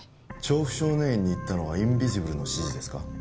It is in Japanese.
調布少年院に行ったのはインビジブルの指示ですか？